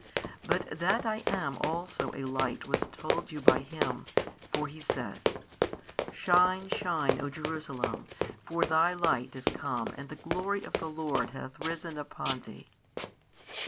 But that I am also a Light was told you by Him, for He says, Shine shine O Jerusalem for thy Light is come and the glory of the Lord hath risen upon thee.